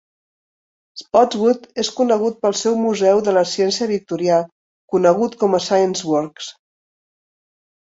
Spotswood és conegut pel seu Museu de la Ciència Victorià, conegut com Scienceworks.